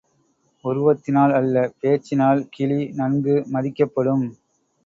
உருவத்தினால் அல்ல பேச்சினால் கிளி நன்கு மதிக்கப்படும்.